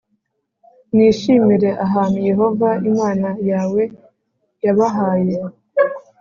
mwishimire ahantu Yehova Imana yawe yabahaye